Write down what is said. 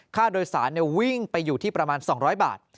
ค่าโดยสารวิ่งไปอยู่ที่ประมาณ๒๐๐บาท